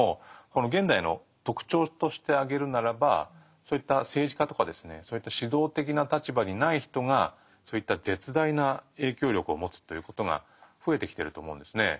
この現代の特徴として挙げるならばそういった政治家とかですねそういった指導的な立場にない人がそういった絶大な影響力をもつということが増えてきてると思うんですね。